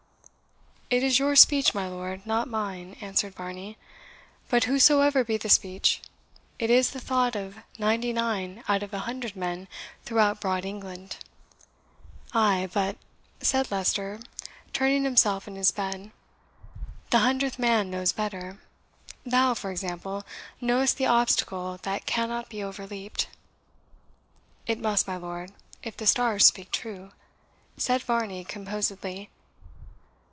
"It is your speech, my lord, not mine," answered Varney; "but whosesoever be the speech, it is the thought of ninety nine out of an hundred men throughout broad England." "Ay, but," said Leicester, turning himself in his bed, "the hundredth man knows better. Thou, for example, knowest the obstacle that cannot be overleaped." "It must, my lord, if the stars speak true," said Varney composedly.